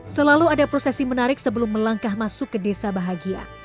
selalu ada prosesi menarik sebelum melangkah masuk ke desa bahagia